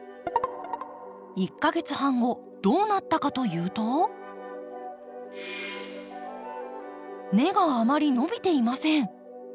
１か月半後どうなったかというと根があまり伸びていません。